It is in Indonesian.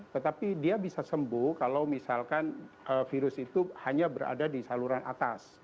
tetapi dia bisa sembuh kalau misalkan virus itu hanya berada di saluran atas